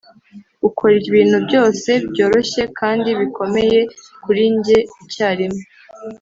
ukora ibintu byose byoroshye kandi bikomeye kuri njye icyarimwe.